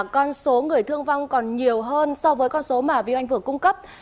con số người thương vong còn nhiều hơn so với con số mà vi anh vừa cung cấp